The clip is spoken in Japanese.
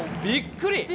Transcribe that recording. びっくり。